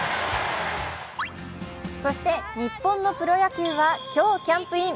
そして日本のプロ野球は今日キャンプイン。